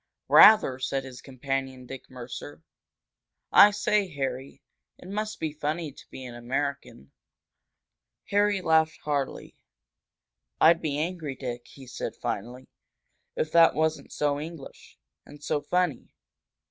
"Rather!" said his companion, Dick Mercer. "I say, Harry, it must be funny to be an American!" Harry laughed heartily. "I'd be angry, Dick," he said, finally, "if that wasn't so English and so funny!